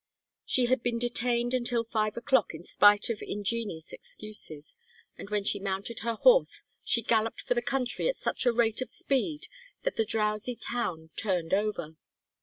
She had been detained until five o'clock in spite of ingenious excuses, and when she mounted her horse she galloped for the country at such a rate of speed that the drowsy town turned over.